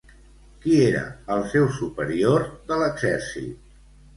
Qui era el seu superior de l'exèrcit?